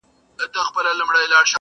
تا هم کړي دي د اور څنګ ته خوبونه؟!!